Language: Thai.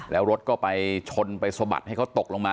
แล้วรถก็ไปชนไปสะบัดให้เขาตกลงมา